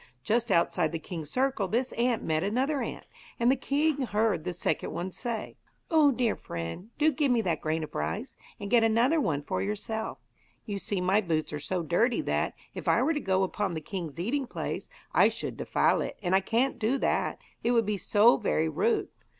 Just outside the king's circle this ant met another ant, and the king heard the second one say: 'Oh, dear friend, do give me that grain of rice, and get another one for yourself. You see my boots are so dirty that, if I were to go upon the king's eating place, I should defile it, and I can't do that, it would be so very rude.'